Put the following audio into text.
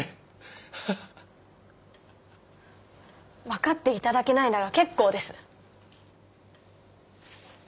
分かっていただけないなら結構です。